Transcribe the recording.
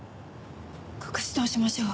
隠し通しましょう。